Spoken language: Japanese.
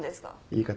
言い方。